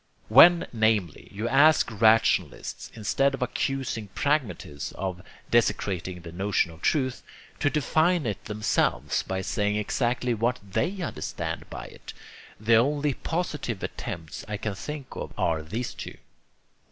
When, namely, you ask rationalists, instead of accusing pragmatism of desecrating the notion of truth, to define it themselves by saying exactly what THEY understand by it, the only positive attempts I can think of are these two: 1.